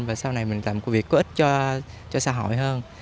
và sau này mình làm công việc có ích cho xã hội hơn